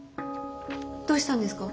どうしたんですか？